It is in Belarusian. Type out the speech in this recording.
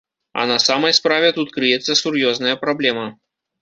А на самай справе тут крыецца сур'ёзная праблема.